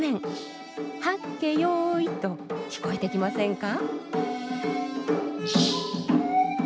「はっけよい」と聞こえてきませんか？